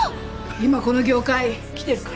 今この業界きてるから。